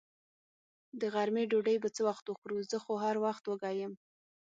د غرمې ډوډۍ به څه وخت خورو؟ زه خو هر وخت وږې یم.